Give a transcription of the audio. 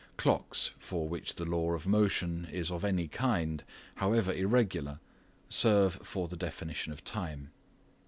Clocks, for which the law of motion is of any kind, however irregular, serve for the definition of time.